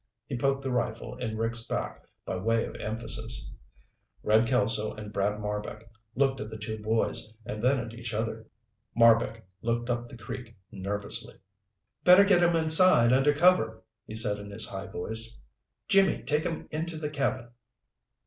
He poked the rifle in Rick's back by way of emphasis. Red Kelso and Brad Marbek looked at the two boys and then at each other. Marbek looked up the creek nervously. "Better get 'em inside under cover," he said in his high voice. "Jimmy, take 'em into the cabin."